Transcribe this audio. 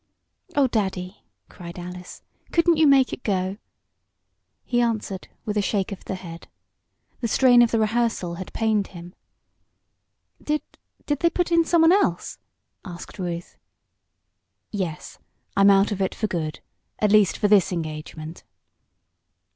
"Oh, Daddy!" cried Alice. "Couldn't you make it go?" He answered with a shake of the head. The strain of the rehearsal had pained him. "Did did they put in someone else?" asked Ruth. "Yes, I'm out of it for good at least for this engagement."